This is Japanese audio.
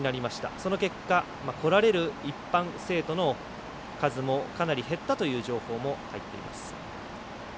その結果こられる一般生徒の数もかなり減ったという情報も入っています。